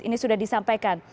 ini sudah disampaikan